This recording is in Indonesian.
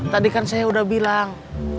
tadi kan saya udah bilang